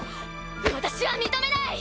私は認めない！